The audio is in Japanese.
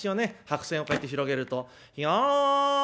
白扇をこうやって広げると。